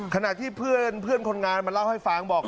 ขณะที่เพื่อนคนงานมาเล่าให้ฟังบอก